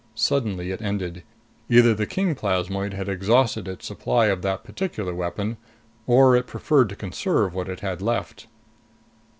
Suddenly it ended. Either the king plasmoid had exhausted its supply of that particular weapon or it preferred to conserve what it had left.